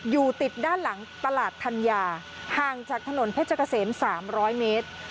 อยู่ติดด้านหลังตลาดธัญญาห่างจากถนนเพชรเกษม๓๐๐เมตร